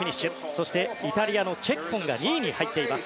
そして、イタリアのチェッコンが２位に入っています。